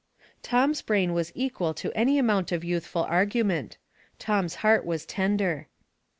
Tom's brain was equal to any amount of youthful argument. Tom's heart was tender.